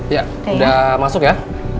ya udah masuk ya